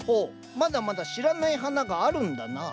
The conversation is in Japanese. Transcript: まだまだ知らない花があるんだなぁ。